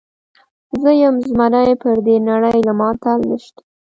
زۀ يم زمری پر دې نړۍ له ما اتل نيشته